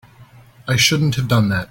I shouldn't have done that.